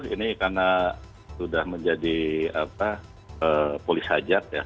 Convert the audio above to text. ini karena sudah menjadi polis hajat ya